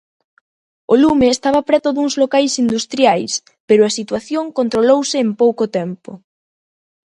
O lume estaba preto duns locais industriais, pero a situación controlouse en pouco tempo.